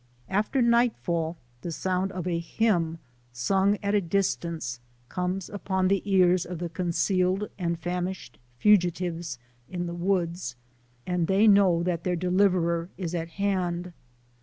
After nightfall, the sound 26 SOME SCENES IN THE of a hymn sung at a distance comes upon the ears of the concealed and famished fugitives in the woods, and they know that their deliverer is at hand.